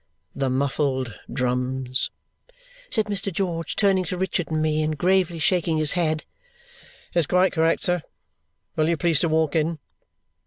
"The muffled drums," said Mr. George, turning to Richard and me and gravely shaking his head. "It's quite correct, sir. Will you please to walk in."